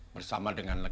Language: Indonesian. bersama dengan lega lega